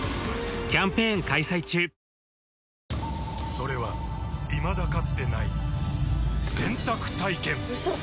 それはいまだかつてない洗濯体験‼うそっ！